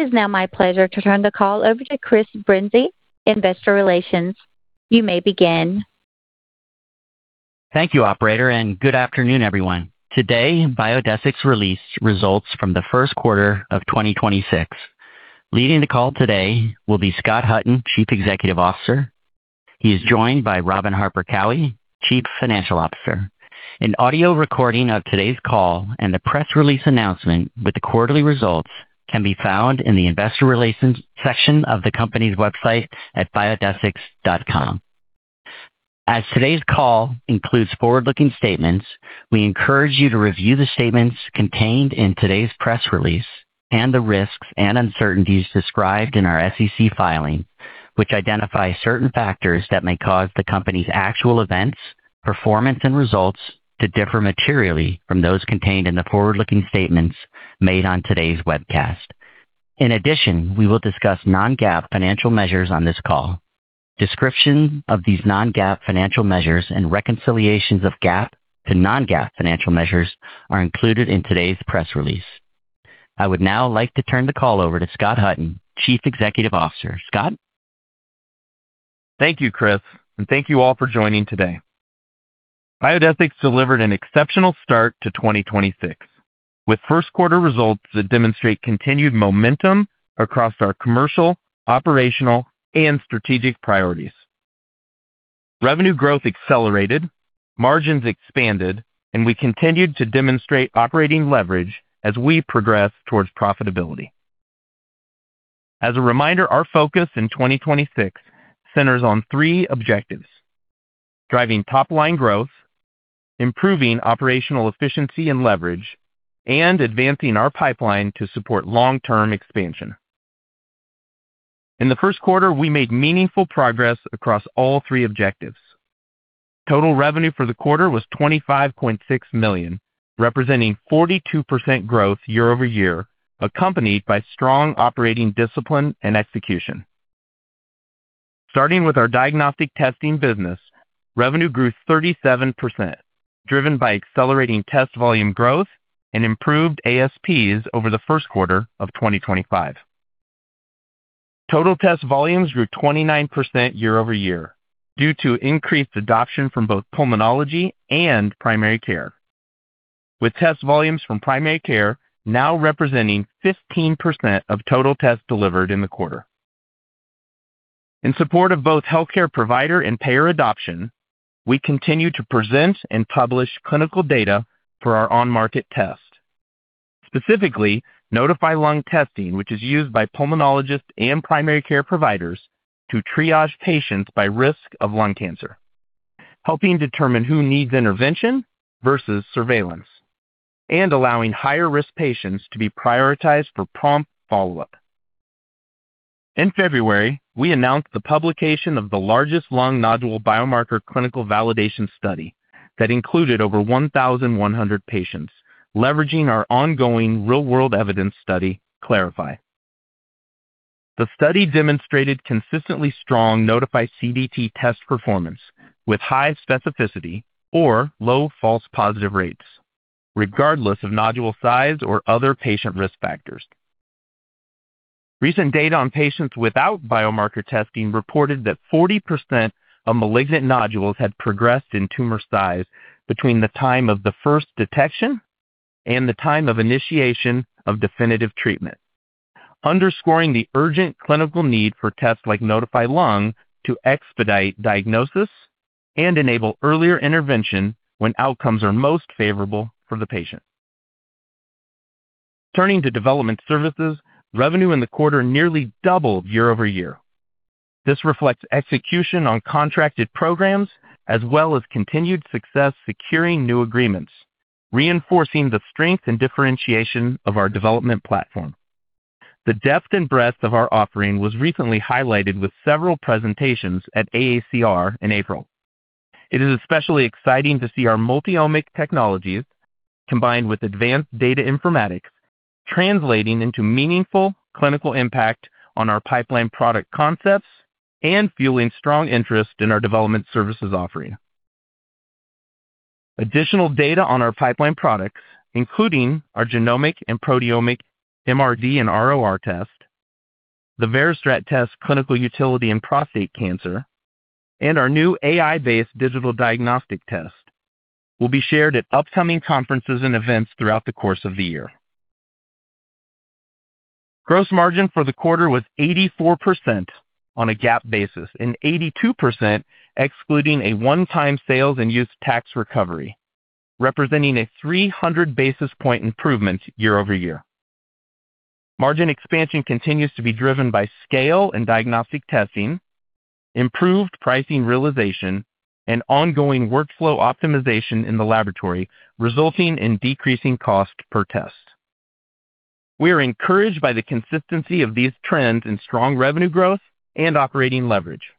It is now my pleasure to turn the call over to Chris Brinzey, investor relations. You may begin. Thank you, operator, and good afternoon, everyone. Today, Biodesix released results from the first quarter of 2026. Leading the call today will be Scott Hutton, Chief Executive Officer. He is joined by Robin Harper Cowie, Chief Financial Officer. An audio recording of today's call and the press release announcement with the quarterly results can be found in the investor relations section of the company's website at biodesix.com. As today's call includes forward-looking statements, we encourage you to review the statements contained in today's press release and the risks and uncertainties described in our SEC filing, which identify certain factors that may cause the company's actual events, performance, and results to differ materially from those contained in the forward-looking statements made on today's webcast. In addition, we will discuss non-GAAP financial measures on this call. Description of these non-GAAP financial measures and reconciliations of GAAP to non-GAAP financial measures are included in today's press release. I would now like to turn the call over to Scott Hutton, Chief Executive Officer. Scott? Thank you, Chris, and thank you all for joining today. Biodesix delivered an exceptional start to 2026, with first quarter results that demonstrate continued momentum across our commercial, operational, and strategic priorities. Revenue growth accelerated, margins expanded, and we continued to demonstrate operating leverage as we progress towards profitability. As a reminder, our focus in 2026 centers on three objectives: driving top line growth, improving operational efficiency and leverage, and advancing our pipeline to support long-term expansion. In the first quarter, we made meaningful progress across all three objectives. Total revenue for the quarter was $25.6 million, representing 42% growth year-over-year, accompanied by strong operating discipline and execution. Starting with our diagnostic testing business, revenue grew 37%, driven by accelerating test volume growth and improved ASPs over the first quarter of 2025. Total test volumes grew 29% year over year due to increased adoption from both pulmonology and primary care, with test volumes from primary care now representing 15% of total tests delivered in the quarter. In support of both healthcare provider and payer adoption, we continue to present and publish clinical data for our on-market test. Specifically, Nodify Lung Testing, which is used by pulmonologists and primary care providers to triage patients by risk of lung cancer, helping determine who needs intervention versus surveillance and allowing higher-risk patients to be prioritized for prompt follow-up. In February, we announced the publication of the largest lung nodule biomarker clinical validation study that included over 1,100 patients, leveraging our ongoing real-world evidence study, CLARIFY. The study demonstrated consistently strong Nodify CDT test performance with high specificity or low false positive rates, regardless of nodule size or other patient risk factors. Recent data on patients without biomarker testing reported that 40% of malignant nodules had progressed in tumor size between the time of the first detection and the time of initiation of definitive treatment, underscoring the urgent clinical need for tests like Nodify Lung to expedite diagnosis and enable earlier intervention when outcomes are most favorable for the patient. Turning to development services, revenue in the quarter nearly doubled year-over-year. This reflects execution on contracted programs as well as continued success securing new agreements, reinforcing the strength and differentiation of our development platform. The depth and breadth of our offering was recently highlighted with several presentations at AACR in April. It is especially exciting to see our multi-omic technologies combined with advanced data informatics translating into meaningful clinical impact on our pipeline product concepts and fueling strong interest in our development services offering. Additional data on our pipeline products, including our genomic and proteomic MRD and ROR test, the VeriStrat test clinical utility in prostate cancer, and our new AI-based digital diagnostic test, will be shared at upcoming conferences and events throughout the course of the year. Gross margin for the quarter was 84% on a GAAP basis and 82% excluding a one-time sales and use tax recovery, representing a 300 basis point improvement year-over-year. Margin expansion continues to be driven by scale and diagnostic testing, improved pricing realization, and ongoing workflow optimization in the laboratory, resulting in decreasing cost per test. We are encouraged by the consistency of these trends in strong revenue growth and operating leverage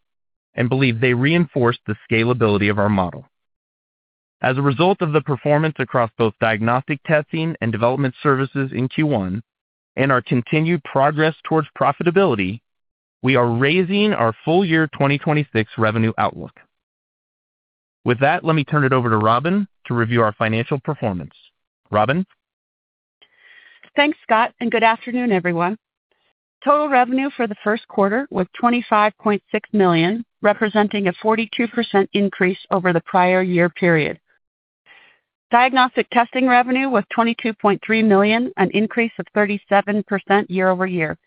and believe they reinforce the scalability of our model. As a result of the performance across both diagnostic testing and development services in Q1 and our continued progress towards profitability, we are raising our full year 2026 revenue outlook. With that, let me turn it over to Robin to review our financial performance. Robin? Thanks, Scott. Good afternoon, everyone. Total revenue for the first quarter was $25.6 million, representing a 42% increase over the prior year period. Diagnostic testing revenue was $22.3 million, an increase of 37% year-over-year.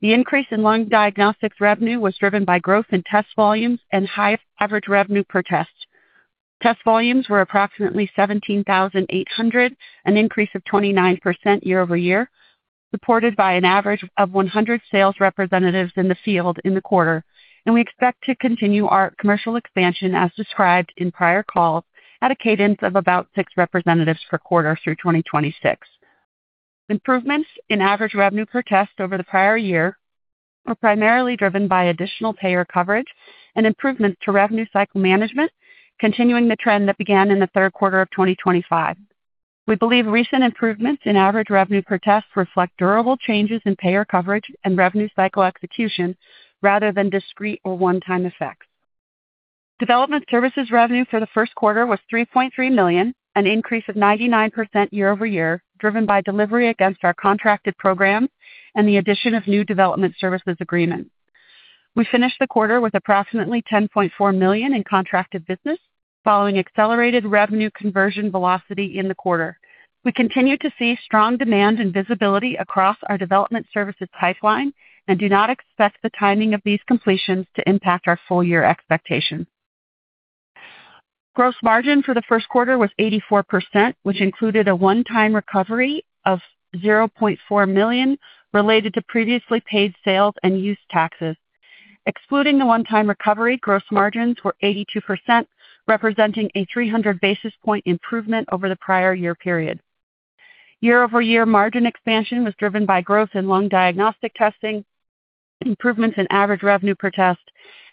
The increase in lung diagnostics revenue was driven by growth in test volumes and high average revenue per test. Test volumes were approximately 17,800, an increase of 29% year-over-year, supported by an average of 100 sales representatives in the field in the quarter. We expect to continue our commercial expansion as described in prior calls at a cadence of about six representatives per quarter through 2026. Improvements in average revenue per test over the prior year were primarily driven by additional payer coverage and improvement to revenue cycle management, continuing the trend that began in the third quarter of 2025. We believe recent improvements in average revenue per test reflect durable changes in payer coverage and revenue cycle execution rather than discrete or one-time effects. Development services revenue for the first quarter was $3.3 million, an increase of 99% year-over-year, driven by delivery against our contracted programs and the addition of new development services agreements. We finished the quarter with approximately $10.4 million in contracted business following accelerated revenue conversion velocity in the quarter. We continue to see strong demand and visibility across our development services pipeline and do not expect the timing of these completions to impact our full year expectations. Gross margin for the first quarter was 84%, which included a one-time recovery of $0.4 million related to previously paid sales and use taxes. Excluding the one-time recovery, gross margins were 82%, representing a 300 basis point improvement over the prior year period. Year-over-year margin expansion was driven by growth in lung diagnostic testing, improvements in average revenue per test,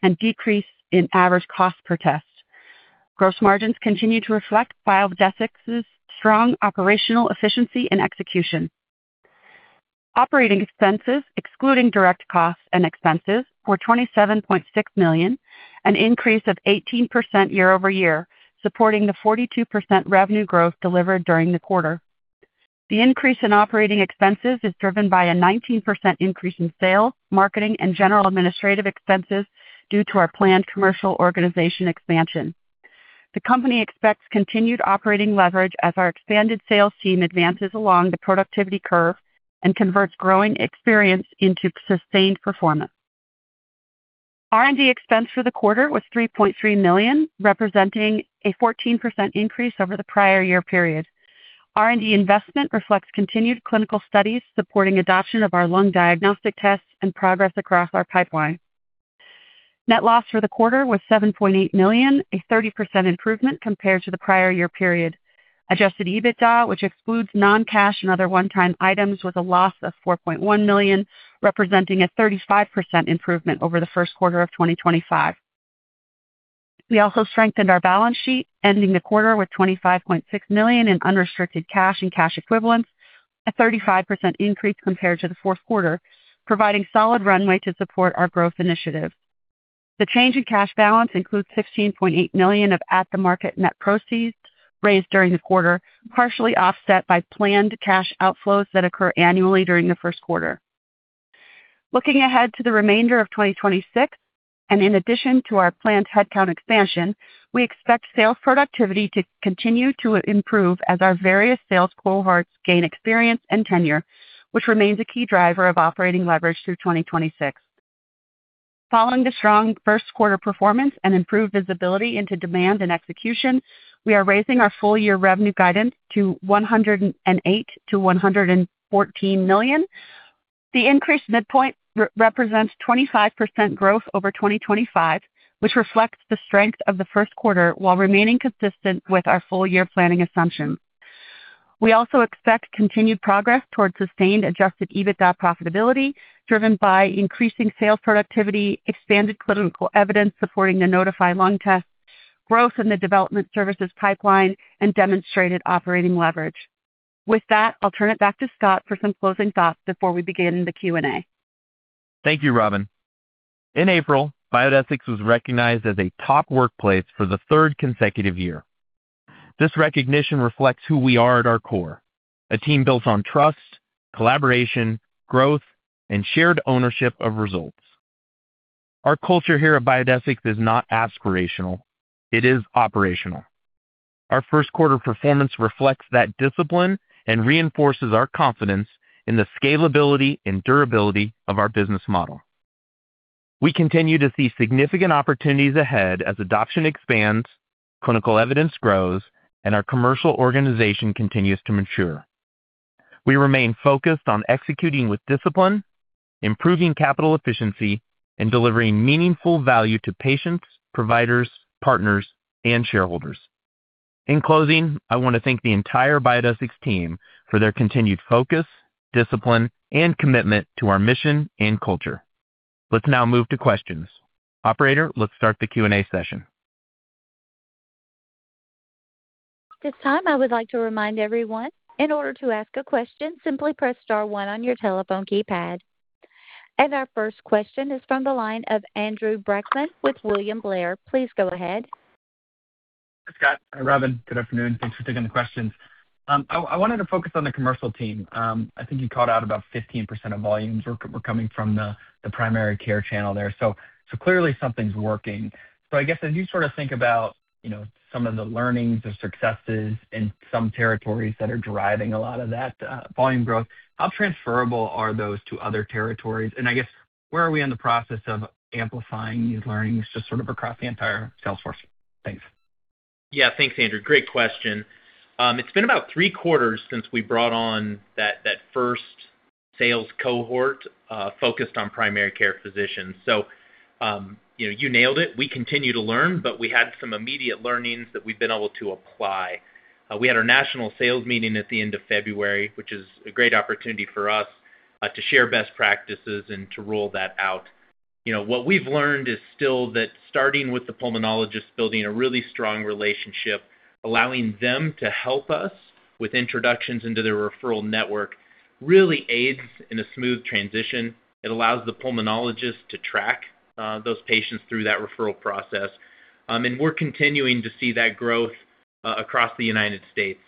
and decrease in average cost per test. Gross margins continue to reflect Biodesix's strong operational efficiency and execution. Operating expenses, excluding direct costs and expenses, were $27.6 million, an increase of 18% year-over-year, supporting the 42% revenue growth delivered during the quarter. The increase in operating expenses is driven by a 19% increase in sales, marketing, and general administrative expenses due to our planned commercial organization expansion. The company expects continued operating leverage as our expanded sales team advances along the productivity curve and converts growing experience into sustained performance. R&D expense for the quarter was $3.3 million, representing a 14% increase over the prior year period. R&D investment reflects continued clinical studies supporting adoption of our lung diagnostic tests and progress across our pipeline. Net loss for the quarter was $7.8 million, a 30% improvement compared to the prior year period. Adjusted EBITDA, which excludes non-cash and other one-time items, was a loss of $4.1 million, representing a 35% improvement over the first quarter of 2025. We also strengthened our balance sheet, ending the quarter with $25.6 million in unrestricted cash on cash equivalents, a 35% increase compared to the fourth quarter, providing solid runway to support our growth initiative. The change in cash balance includes $15.8 million of at-the-market net proceeds raised during the quarter, partially offset by planned cash outflows that occur annually during the first quarter. Looking ahead to the remainder of 2026, in addition to our planned headcount expansion, we expect sales productivity to continue to improve as our various sales cohorts gain experience and tenure, which remains a key driver of operating leverage through 2026. Following the strong first quarter performance and improved visibility into demand and execution, we are raising our full year revenue guidance to $108 million-$114 million. The increased midpoint represents 25% growth over 2025, which reflects the strength of the first quarter while remaining consistent with our full year planning assumptions. We also expect continued progress towards sustained adjusted EBITDA profitability driven by increasing sales productivity, expanded clinical evidence supporting the Nodify Lung test, growth in the development services pipeline, and demonstrated operating leverage. With that, I'll turn it back to Scott for some closing thoughts before we begin the Q&A. Thank you, Robin. In April, Biodesix was recognized as a top workplace for the third consecutive year. This recognition reflects who we are at our core, a team built on trust, collaboration, growth, and shared ownership of results. Our culture here at Biodesix is not aspirational, it is operational. Our first quarter performance reflects that discipline and reinforces our confidence in the scalability and durability of our business model. We continue to see significant opportunities ahead as adoption expands, clinical evidence grows, and our commercial organization continues to mature. We remain focused on executing with discipline, improving capital efficiency, and delivering meaningful value to patients, providers, partners, and shareholders. In closing, I want to thank the entire Biodesix team for their continued focus, discipline, and commitment to our mission and culture. Let's now move to questions. Operator, let's start the Q&A session. At this time, I would like to remind everyone, in order to ask a question, simply press star 1 on your telephone keypad. Our first question is from the line of Andrew Brackmann with William Blair. Please go ahead. Scott and Robin, good afternoon. Thanks for taking the questions. I wanted to focus on the commercial team. I think you called out about 15% of volumes were coming from the primary care channel there. Clearly something's working. I guess as you sort of think about, you know, some of the learnings, the successes in some territories that are driving a lot of that volume growth, how transferable are those to other territories? I guess, where are we in the process of amplifying these learnings just sort of across the entire sales force? Thanks. Thanks, Andrew Brackmann. Great question. It's been about three quarters since we brought on that first sales cohort, focused on primary care physicians. You know, you nailed it. We continue to learn, but we had some immediate learnings that we've been able to apply. We had our national sales meeting at the end of February, which is a great opportunity for us to share best practices and to roll that out. You know, what we've learned is still that starting with the pulmonologist, building a really strong relationship, allowing them to help us with introductions into their referral network really aids in a smooth transition. It allows the pulmonologist to track those patients through that referral process. We're continuing to see that growth across the United States.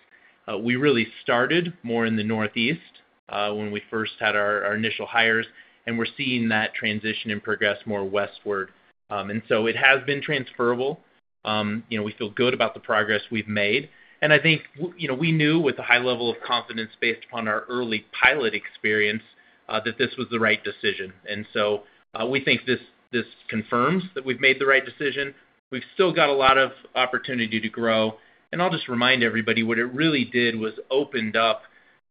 We really started more in the northeast when we first had our initial hires, and we're seeing that transition and progress more westward. It has been transferable. You know, we feel good about the progress we've made. I think you know, we knew with a high level of confidence based upon our early pilot experience that this was the right decision. We think this confirms that we've made the right decision. We've still got a lot of opportunity to grow. I'll just remind everybody, what it really did was opened up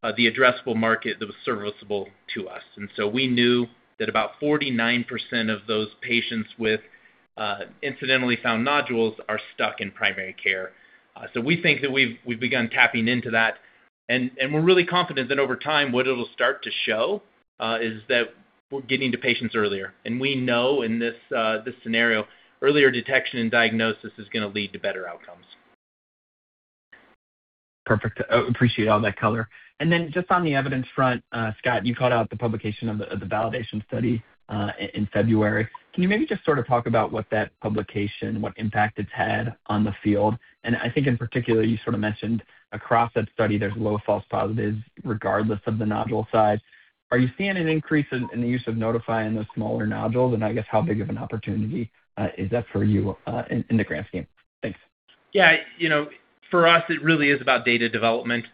the addressable market that was serviceable to us. We knew that about 49% of those patients with incidentally found nodules are stuck in primary care. We think that we've begun tapping into that, and we're really confident that over time, what it'll start to show, is that we're getting to patients earlier. We know in this scenario, earlier detection and diagnosis is gonna lead to better outcomes. Perfect. Appreciate all that color. Just on the evidence front, Scott, you called out the publication of the validation study in February. Can you maybe just sort of talk about what that publication, what impact it's had on the field? I think in particular, you sort of mentioned across that study, there's low false positives regardless of the nodule size. Are you seeing an increase in the use of Nodify in the smaller nodules? I guess how big of an opportunity is that for you in the grand scheme? Thanks. Yeah. You know, for us it really is about data development.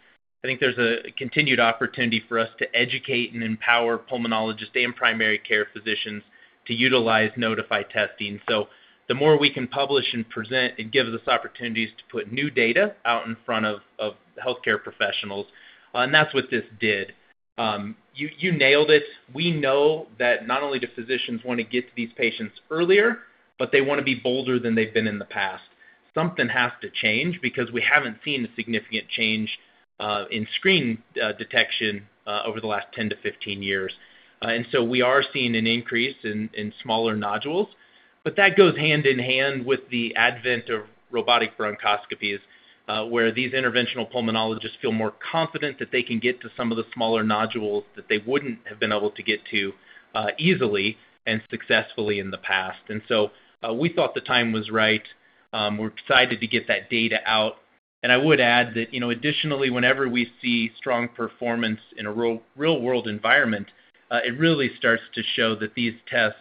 I think there's a continued opportunity for us to educate and empower pulmonologists and primary care physicians to utilize Nodify Testing. The more we can publish and present, it gives us opportunities to put new data out in front of healthcare professionals, and that's what this did. You nailed it. We know that not only do physicians wanna get to these patients earlier, but they wanna be bolder than they've been in the past. Something has to change because we haven't seen a significant change in screening, detection, over the last 10-15 years. We are seeing an increase in smaller nodules, but that goes hand in hand with the advent of robotic bronchoscopies, where these interventional pulmonologists feel more confident that they can get to some of the smaller nodules that they wouldn't have been able to get to easily and successfully in the past. We thought the time was right. We're excited to get that data out. I would add that, you know, additionally, whenever we see strong performance in a real-world environment, it really starts to show that these tests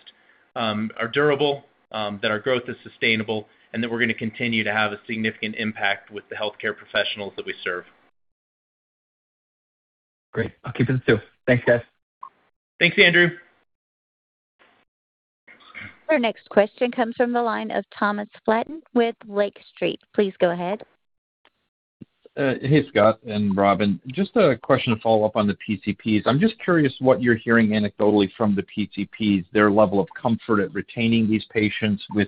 are durable, that our growth is sustainable, and that we're gonna continue to have a significant impact with the healthcare professionals that we serve. Great. I'll keep it at two. Thanks, guys. Thanks, Andrew. Our next question comes from the line of Thomas Flaten with Lake Street Capital Markets. Please go ahead. Hey, Scott and Robin. Just a question to follow up on the PCPs. I'm just curious what you're hearing anecdotally from the PCPs, their level of comfort at retaining these patients with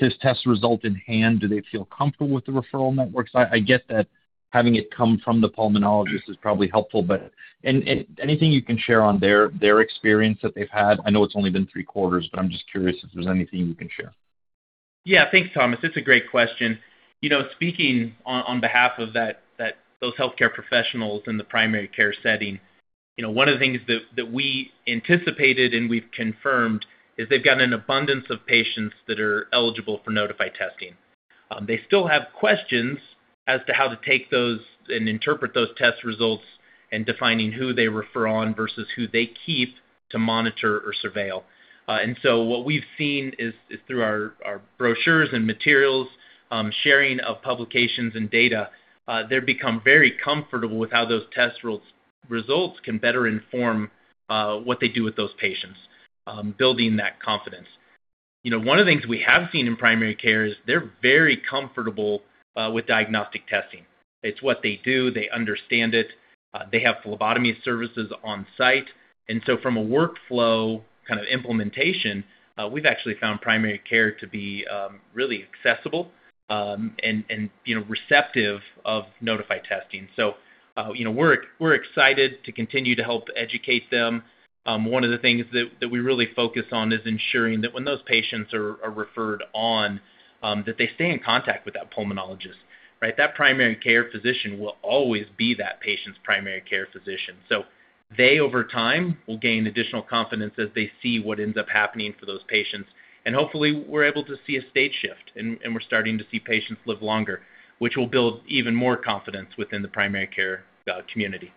this test result in hand. Do they feel comfortable with the referral networks? I get that having it come from the pulmonologist is probably helpful, but any anything you can share on their experience that they've had? I know it's only been three quarters, but I'm just curious if there's anything you can share. Thanks, Thomas. It's a great question. You know, speaking on behalf of those healthcare professionals in the primary care setting, you know, one of the things that we anticipated and we've confirmed is they've got an abundance of patients that are eligible for Nodify Testing. They still have questions as to how to take those and interpret those test results and defining who they refer on versus who they keep to monitor or surveil. What we've seen is through our brochures and materials, sharing of publications and data, they've become very comfortable with how those test results can better inform what they do with those patients, building that confidence. You know, one of the things we have seen in primary care is they're very comfortable with diagnostic testing. It's what they do. They understand it. They have phlebotomy services on site. From a workflow kind of implementation, we've actually found primary care to be really accessible and, you know, receptive of Nodify Testing. You know, we're excited to continue to help educate them. One of the things that we really focus on is ensuring that when those patients are referred on, that they stay in contact with that pulmonologist, right? That primary care physician will always be that patient's primary care physician. They, over time, will gain additional confidence as they see what ends up happening for those patients. Hopefully we're able to see a stage shift and we're starting to see patients live longer, which will build even more confidence within the primary care community.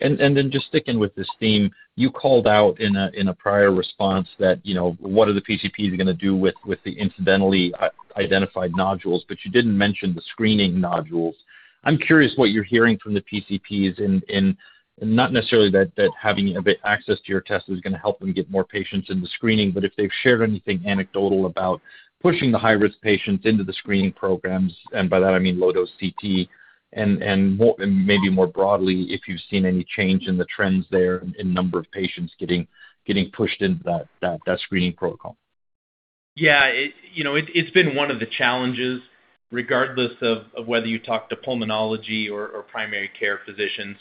Then just sticking with this theme, you called out in a prior response that, you know, what are the PCPs gonna do with the incidentally identified nodules, but you didn't mention the screening nodules. I'm curious what you're hearing from the PCPs and not necessarily that having a bit access to your test is gonna help them get more patients in the screening, but if they've shared anything anecdotal about pushing the high-risk patients into the screening programs, and by that I mean low-dose CT, and more and maybe more broadly if you've seen any change in the trends there in number of patients getting pushed into that screening protocol. It, you know, it's been one of the challenges regardless of whether you talk to pulmonology or primary care physicians.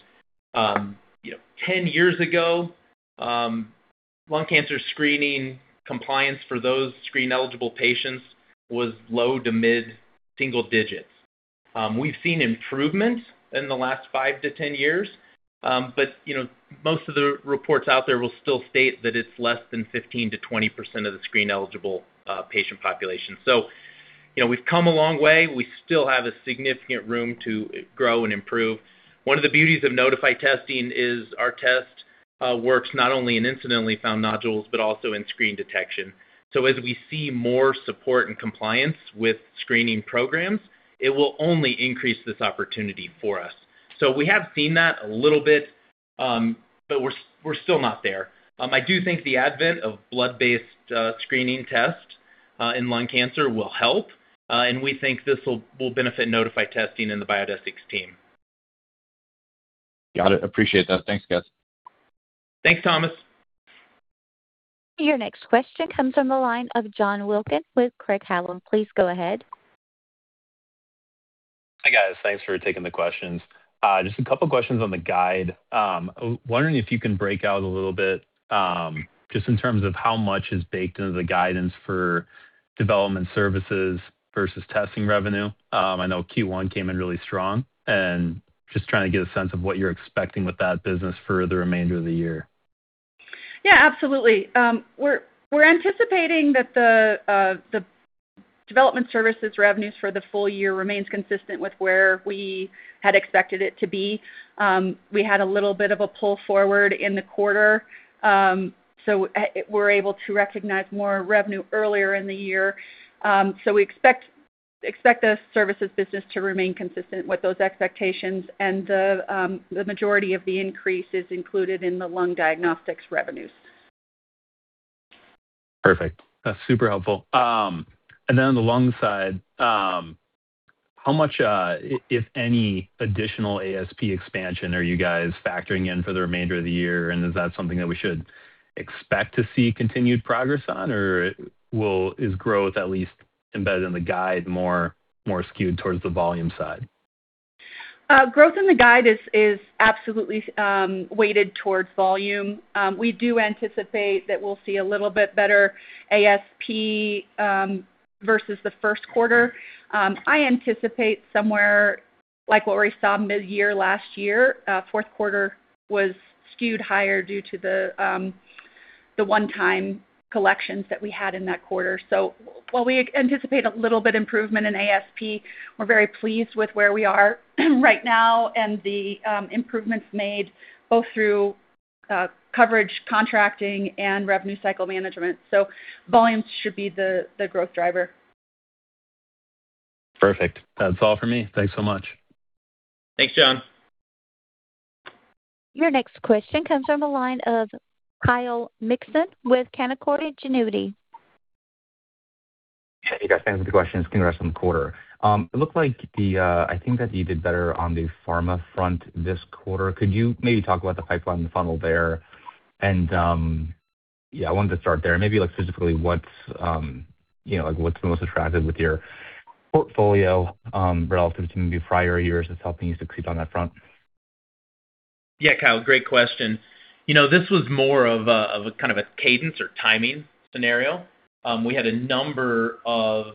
You know, 10 years ago, lung cancer screening compliance for those screen-eligible patients was low-to-mid single digits. We've seen improvements in the last five to 10 years, you know, most of the reports out there will still state that it's less than 15% to 20% of the screen-eligible patient population. You know, we've come a long way. We still have a significant room to grow and improve. One of the beauties of Nodify Testing is our test works not only in incidentally found nodules, but also in screen detection. As we see more support and compliance with screening programs, it will only increase this opportunity for us. We have seen that a little bit, but we're still not there. I do think the advent of blood-based screening test in lung cancer will help, and we think this will benefit Nodify Testing and the Biodesix team. Got it. Appreciate that. Thanks, guys. Thanks, Thomas. Your next question comes from the line of John Wilkin with Craig-Hallum. Please go ahead. Hi, guys. Thanks for taking the questions. Just a couple questions on the guide. Wondering if you can break out a little bit, just in terms of how much is baked into the guidance for development services versus testing revenue. I know Q1 came in really strong and just trying to get a sense of what you're expecting with that business for the remainder of the year. Yeah, absolutely. We're anticipating that the development services revenues for the full year remains consistent with where we had expected it to be. We had a little bit of a pull forward in the quarter, so we're able to recognize more revenue earlier in the year. We expect the services business to remain consistent with those expectations and the majority of the increase is included in the lung diagnostics revenues. Perfect. That's super helpful. On the lung side, how much, if any, additional ASP expansion are you guys factoring in for the remainder of the year, and is that something that we should expect to see continued progress on, or is growth at least embedded in the guide more, more skewed towards the volume side? Growth in the guide is absolutely weighted towards volume. We do anticipate that we'll see a little bit better ASP versus the first quarter. I anticipate somewhere like what we saw mid-year last year, fourth quarter was skewed higher due to the one-time collections that we had in that quarter. While we anticipate a little bit improvement in ASP, we're very pleased with where we are right now and the improvements made both through coverage contracting and revenue cycle management. Volume should be the growth driver. Perfect. That's all for me. Thanks so much. Thanks, John. Your next question comes from the line of Kyle Mikson with Canaccord Genuity. Yeah, hey, guys. Thanks for the questions. Gonna ask on the quarter. It looks like the, I think that you did better on the pharma front this quarter. Could you maybe talk about the pipeline funnel there? Yeah, I wanted to start there. Maybe like specifically what's, you know, like what's most attractive with your portfolio, relative to maybe prior years that's helping you succeed on that front? Kyle, great question. This was more of a kind of a cadence or timing scenario. We had a number of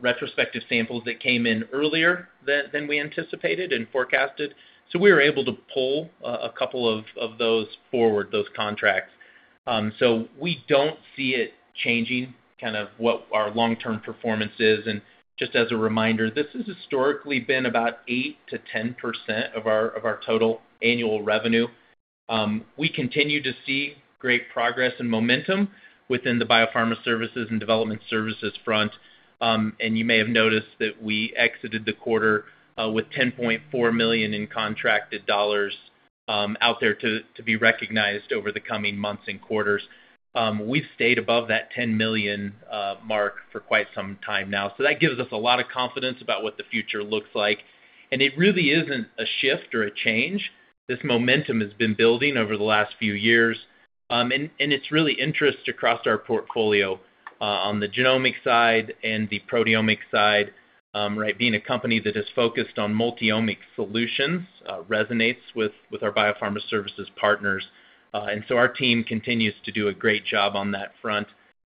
retrospective samples that came in earlier than we anticipated and forecasted, so we were able to pull a couple of those forward, those contracts. We don't see it changing kind of what our long-term performance is. Just as a reminder, this has historically been about 8%-10% of our total annual revenue. We continue to see great progress and momentum within the biopharma services and development services front. You may have noticed that we exited the quarter with $10.4 million in contracted dollars out there to be recognized over the coming months and quarters. We've stayed above that $10 million mark for quite some time now. That gives us a lot of confidence about what the future looks like. It really isn't a shift or a change. This momentum has been building over the last few years. It's really interest across our portfolio on the genomic side and the proteomic side. Being a company that is focused on multi-omics solutions resonates with our biopharma services partners. Our team continues to do a great job on that front.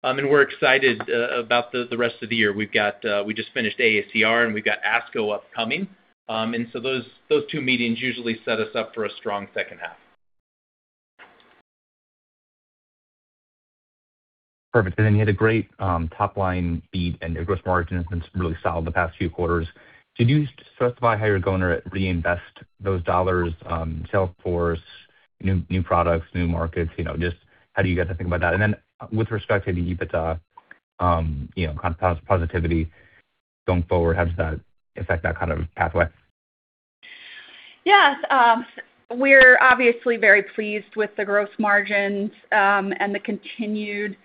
We're excited about the rest of the year. We just finished AACR, and we've got ASCO upcoming. Those two meetings usually set us up for a strong second half. Perfect. You had a great top-line beat, and your gross margin has been really solid the past few quarters. Can you just specify how you're going to reinvest those dollars, sales force, new products, new markets? You know, just how do you guys think about that? With respect to the EBITDA positivity going forward, how does that affect that kind of pathway? Yes. We're obviously very pleased with the gross margins and the continued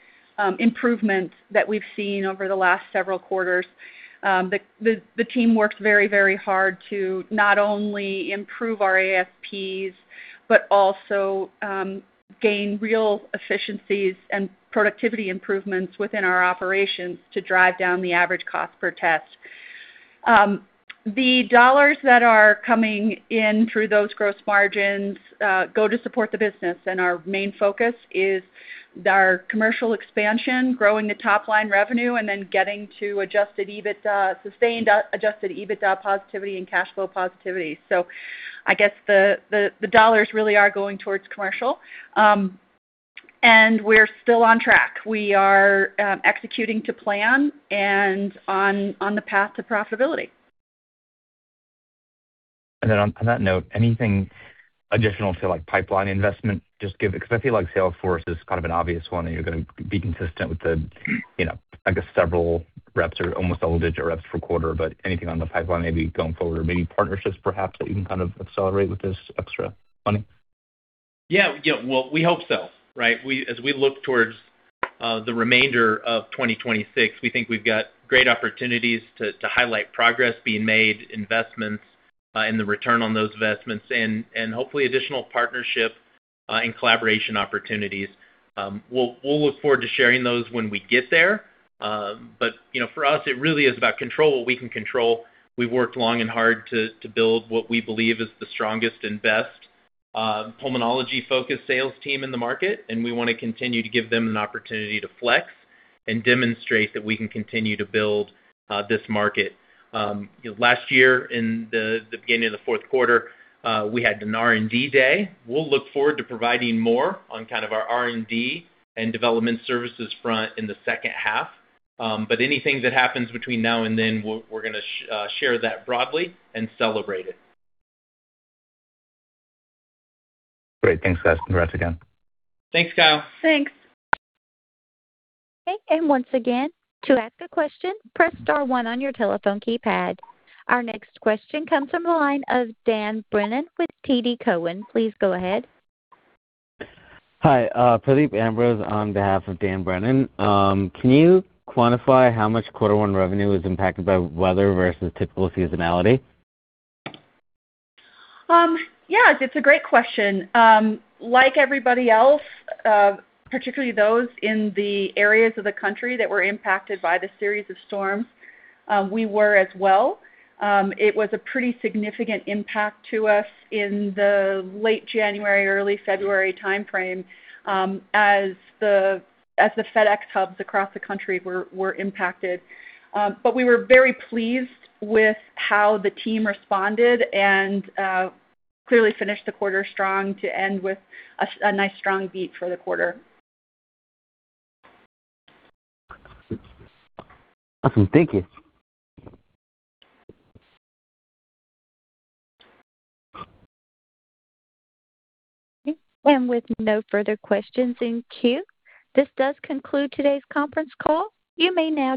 improvements that we've seen over the last several quarters. The team works very, very hard to not only improve our ASPs but also gain real efficiencies and productivity improvements within our operations to drive down the average cost per test. The dollars that are coming in through those gross margins go to support the business, and our main focus is our commercial expansion, growing the top-line revenue and then getting to adjusted EBITDA, sustained adjusted EBITDA positivity and cash flow positivity. I guess the dollars really are going towards commercial. We're still on track. We are executing to plan and on the path to profitability. On, on that note, anything additional say, like pipeline investment? 'Cause I feel like Salesforce is kind of an obvious one, and you're gonna be consistent with the, you know, I guess several reps or almost double-digit reps per quarter, but anything on the pipeline maybe going forward or maybe partnerships perhaps that you can kind of accelerate with this extra money? Yeah, yeah. Well, we hope so, right? As we look towards the remainder of 2026, we think we've got great opportunities to highlight progress being made, investments, and the return on those investments and hopefully additional partnership and collaboration opportunities. We'll look forward to sharing those when we get there. You know, for us, it really is about control, what we can control. We've worked long and hard to build what we believe is the strongest and best pulmonology-focused sales team in the market, and we wanna continue to give them an opportunity to flex and demonstrate that we can continue to build this market. You know, last year in the beginning of the fourth quarter, we had an R&D Day. We'll look forward to providing more on kind of our R&D and development services front in the second half. Anything that happens between now and then, we're gonna share that broadly and celebrate it. Great. Thanks, guys. Congrats again. Thanks, Kyle. Thanks. Okay. Once again, to ask a question, press star one on your telephone keypad. Our next question comes from the line of Daniel Brennan with TD Cowen. Please go ahead. Hi, Pradeep Ambrose on behalf of Daniel Brennan. Can you quantify how much quarter one revenue was impacted by weather versus typical seasonality? Yes, it's a great question. Like everybody else, particularly those in the areas of the country that were impacted by the series of storms, we were as well. It was a pretty significant impact to us in the late January, early February timeframe, as the FedEx hubs across the country were impacted. We were very pleased with how the team responded and clearly finished the quarter strong to end with a nice strong beat for the quarter. Awesome. Thank you. Okay. With no further questions in queue, this does conclude today's conference call. You may now.